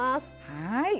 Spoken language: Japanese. はい。